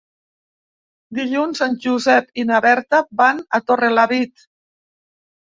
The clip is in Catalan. Dilluns en Josep i na Berta van a Torrelavit.